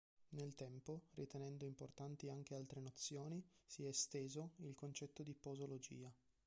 Nel tempo, ritenendo importanti anche altre nozioni, si è esteso il concetto di posologia.